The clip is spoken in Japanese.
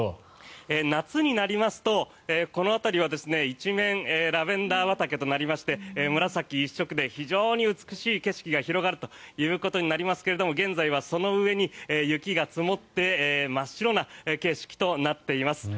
夏になりますと、この辺りは一面ラベンダー畑となりまして紫一色で非常に美しい景色が広がるということになりますけれど現在はその上に雪が積もって真っ白な景色となっています。